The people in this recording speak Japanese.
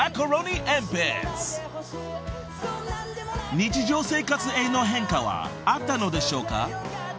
［日常生活への変化はあったのでしょうか？］